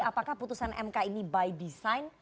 apakah putusan mk ini by design